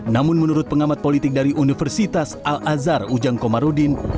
namun menurut pengamat politik dari universitas al azhar ujang komarudin